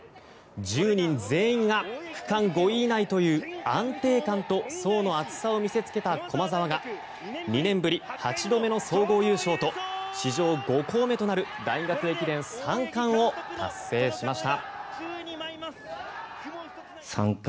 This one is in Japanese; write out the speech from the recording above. １０人全員が区間５位以内という安定感と層の厚さを見せつけた駒澤が２年ぶり８度目の総合優勝と史上５校目となる大学駅伝三冠を達成しました。